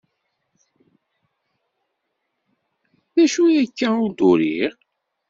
D acu akka ur d-uriɣ?